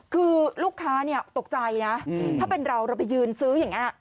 คือลูกค้าตกใจนะถ้าเป็นเราเราไปยืนซื้ออย่างนั้น